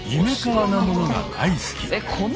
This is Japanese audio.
なものが大好き。